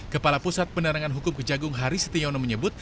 kepala pusat penerangan hukum kejagung haris setiono menyebut